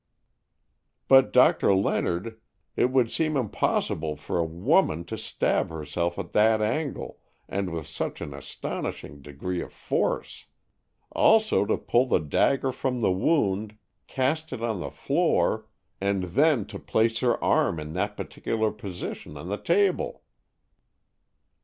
"But, Doctor Leonard, it would seem impossible for a woman to stab herself at that angle, and with such an astonishing degree of force; also to pull the dagger from the wound, cast it on the floor, and then to place her arm in that particular position on the table."